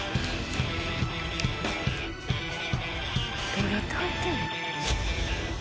どうやって入ってんの？